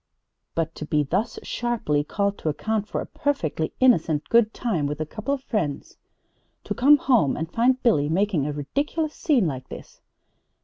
But to be thus sharply called to account for a perfectly innocent good time with a couple of friends ! To come home and find Billy making a ridiculous scene like this